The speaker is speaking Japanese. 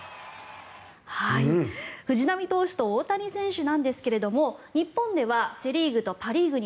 藤浪投手と大谷選手なんですが日本ではセ・リーグとパ・リーグに